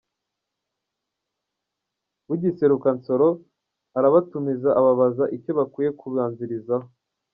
Bugiseruka Nsoro arabatumiza ababaza icyo bakwiye kubanzirizaho.